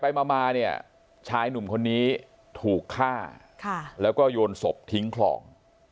มามาเนี่ยชายหนุ่มคนนี้ถูกฆ่าแล้วก็โยนศพทิ้งคลอง